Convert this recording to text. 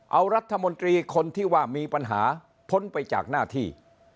เอารัฐมนตรีคนที่ว่ามีปัญหาพ้นไปจากหน้าที่